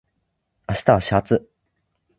明日は先発